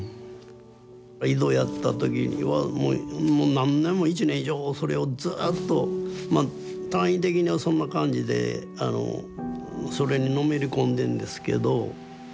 井戸やった時にはもう何年も１年以上それをずっとまあ単位的にはそんな感じでそれにのめり込んでんですけど。